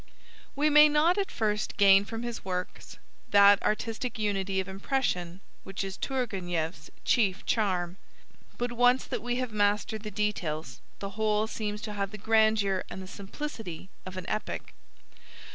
We may not at first gain from his works that artistic unity of impression which is Tourgenieff's chief charm, but once that we have mastered the details the whole seems to have the grandeur and the simplicity of an epic.